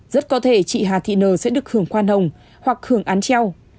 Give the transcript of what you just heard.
rất có thể chị hà thị nờ sẽ được hưởng khoan hồng hoặc hưởng án treo